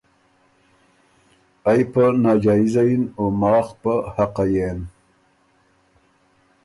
ائ په ناجائزه یِن او ماخ په حقه يېن۔